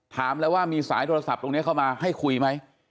ถามแล้วว่ามีสายโทรศัพท์ตรงนี้เข้ามาให้คุยไหม